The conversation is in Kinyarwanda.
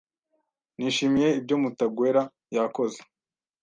Nishimiye ibyo Mutagwera yakoze.